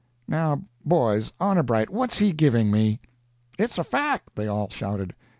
"Now, boys, honor bright, what's he giving me?" "It's a fact!" they all shouted.